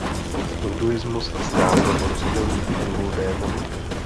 Hinduismus zná mnoho rozdílných druhů démonů.